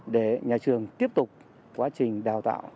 để nhà trường tiếp tục quá trình đào tạo